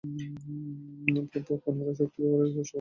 পুনরায় তোমার শক্তি ব্যবহারের চেষ্টা করো।